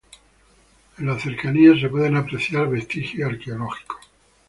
En las cercanías se pueden apreciar vestigios arqueológicos.